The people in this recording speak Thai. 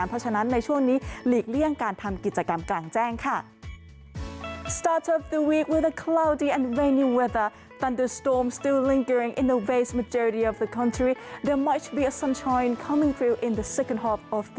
เพราะฉะนั้นในช่วงนี้หลีกเลี่ยงการทำกิจกรรมกลางแจ้งค่ะ